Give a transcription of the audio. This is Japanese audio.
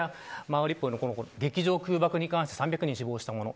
マリウポリの劇場空爆に関して３００人死亡したもの